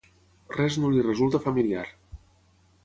Res no li resulta familiar.